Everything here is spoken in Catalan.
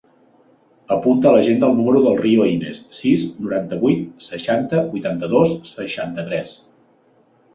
Apunta a l'agenda el número del Rio Ines: sis, noranta-vuit, seixanta, vuitanta-dos, seixanta-tres.